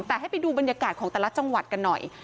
แต่ให้ไปดูบรรยากาศของแต่ละจังหวัดกันหน่อย